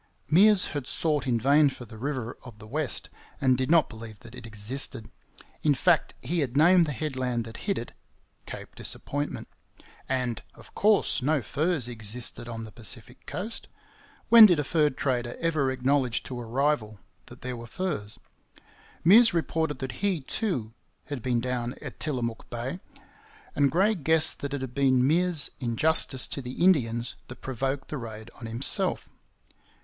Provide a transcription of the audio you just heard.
Meares had sought in vain for the River of the West, and did not believe that it existed. In fact, he had named the headland that hid it Cape Disappointment. And, of course, no furs existed on the Pacific coast. When did a fur trader ever acknowledge to a rival that there were furs? Meares reported that he, too, had been down at Tillamook Bay; and Gray guessed that it had been Meares's injustice to the Indians that provoked the raid on himself.